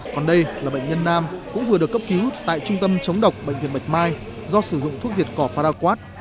còn đây là bệnh nhân nam cũng vừa được cấp cứu tại trung tâm chống độc bệnh viện bạch mai do sử dụng thuốc diệt cỏ paraquad